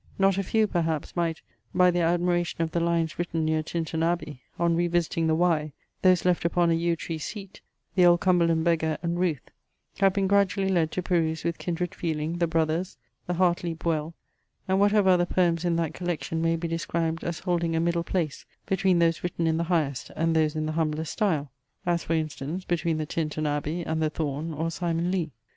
Not a few, perhaps, might, by their admiration of the Lines written near Tintern Abbey, on revisiting the Wye, those Left upon a Yew Tree Seat, The Old Cumberland Beggar, and Ruth, have been gradually led to peruse with kindred feeling The Brothers, the Hart leap Well, and whatever other poems in that collection may be described as holding a middle place between those written in the highest and those in the humblest style; as for instance between the Tintern Abbey, and The Thorn, or Simon Lee.